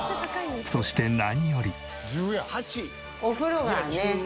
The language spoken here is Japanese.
そして何より。